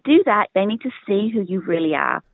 mereka perlu melihat siapa anda benar benar